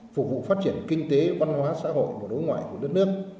phục vụ phát triển kinh tế văn hóa xã hội và đối ngoại của đất nước